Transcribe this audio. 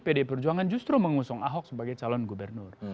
pdi perjuangan justru mengusung ahok sebagai calon gubernur